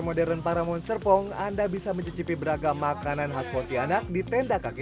modern para monsterpong anda bisa mencicipi beragam makanan khas pontianak di tenda kaki